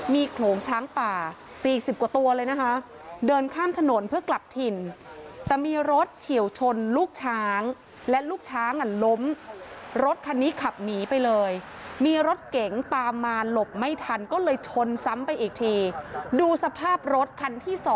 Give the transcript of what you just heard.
มีรถเฉี่ยวชนลูกช้างและลุงช้างล่มรถคันนี้ขับหนีไปเลยมีรถเก่งปามาหลบไม่ทันก็เลยชนซ้ำไปอีกทีดูสภาพรถทันที่๒